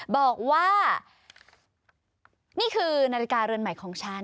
บอกว่านี่คือนาฬิกาเรือนใหม่ของฉัน